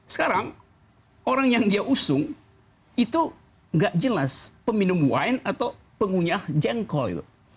sekarang orang yang dia usung itu nggak jelas peminum wine atau pengunyah jengkol